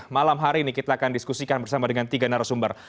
malam hari ini kita akan diskusikan bersama dengan tiga narasumber